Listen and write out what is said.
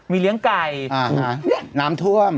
เลี้ยงไก่น้ำท่วม